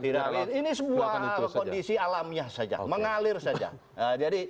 tidak ini sebuah kondisi alamnya saja mengalir saja